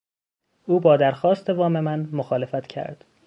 او با درخواست وام من مخالفت کرد.